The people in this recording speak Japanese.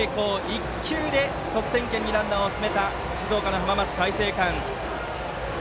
１球で得点圏にランナーを進めた静岡の浜松開誠館。